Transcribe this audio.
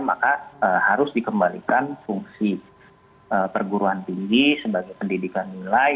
maka harus dikembalikan fungsi perguruan tinggi sebagai pendidikan nilai